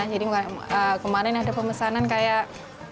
jadi kemarin ada pemesanan kayak